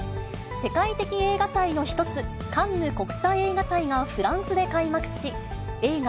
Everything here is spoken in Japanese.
世界的映画祭の１つ、カンヌ国際映画祭がフランスで開幕し、映画、